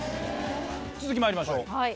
続きまいりましょう。